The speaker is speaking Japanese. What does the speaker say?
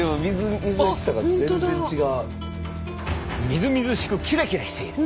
みずみずしくキラキラしている。